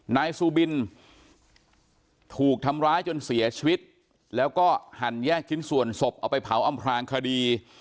นายซูบินถูกทำร้ายจนเสียชีวิตแล้วก็หั่นแยกชิ้นส่วนศพเอาไปเผาอำพลางคดี